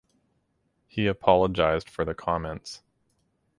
He apologized for the comments.